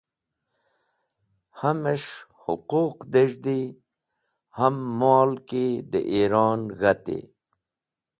Ham’mes̃h huquq dez̃hdi, ham mol ki dẽ Iron g̃hati.